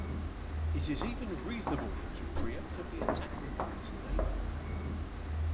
It is even reasonable to preemptively attack one's neighbour.